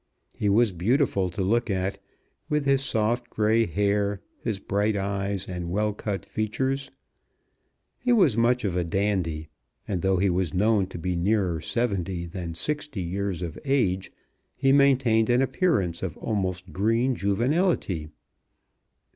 He was beautiful to look at, with his soft grey hair, his bright eyes, and well cut features. He was much of a dandy, and, though he was known to be nearer seventy than sixty years of age, he maintained an appearance of almost green juvenility.